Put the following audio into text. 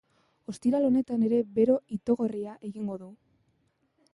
Ostiral honetan ere bero itogarria egin du.